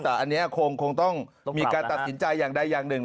แต่อันนี้คงต้องมีการตัดสินใจอย่างใดอย่างหนึ่ง